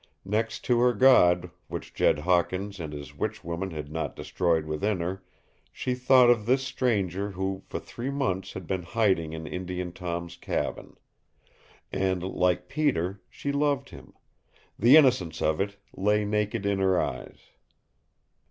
Next to her God, which Jed Hawkins and his witch woman had not destroyed within her, she thought of this stranger who for three months had been hiding in Indian Tom's cabin. And, like Peter, she loved him. The innocence of it lay naked in her eyes.